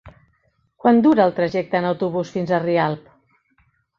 Quant dura el trajecte en autobús fins a Rialp?